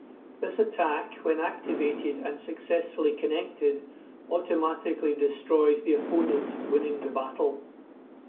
This attack, when activated and successfully connected, automatically destroys the opponent, winning the battle.